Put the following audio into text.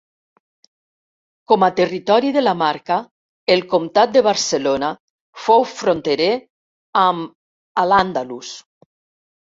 Com a territori de la Marca, el comtat de Barcelona fou fronterer amb al-Àndalus.